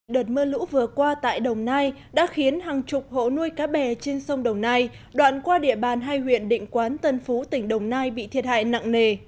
đợt mưa lũ vừa qua tại đồng nai đã khiến hàng chục hộ nuôi cá bè trên sông đồng nai đoạn qua địa bàn hai huyện định quán tân phú tỉnh đồng nai bị thiệt hại nặng nề